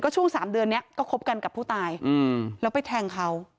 ช่วง๓เดือนนี้ก็คบกันกับผู้ตายแล้วไปแทงเขา